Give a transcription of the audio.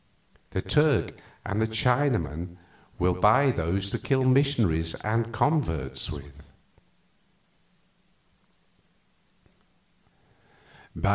The Turk and the Chinaman will buy those to kill missionaries and converts with."